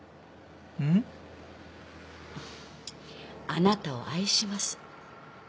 「あなたを愛します」。